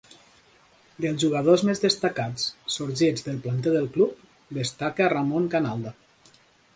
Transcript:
Dels jugadors més destacats sorgits del planter del club destaca Ramon Canalda.